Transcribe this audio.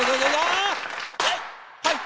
はい！